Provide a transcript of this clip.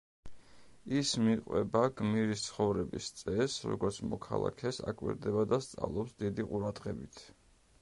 ის მიჰყვება გმირის ცხოვრების წესს, როგორც მოქალაქეს, აკვირდება და სწავლობს დიდი ყურადღებით.